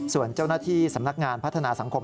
ส่วนเจ้าหน้าที่สำนักงานพัฒนาสังคม